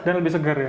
dan lebih segar ya